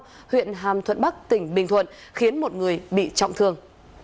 hà nội huyện hàm thuận bắc tỉnh bình thuận khiến một người bị trọng thương